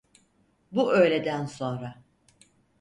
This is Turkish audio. Bu öğleden sonra.